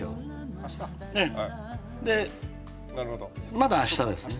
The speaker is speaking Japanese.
まだ明日ですね。